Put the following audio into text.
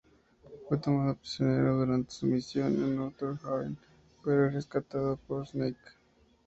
Fue tomado prisionero durante su misión en Outer Heaven, pero es rescatado por Snake.